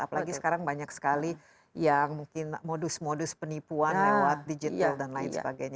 apalagi sekarang banyak sekali yang mungkin modus modus penipuan lewat digital dan lain sebagainya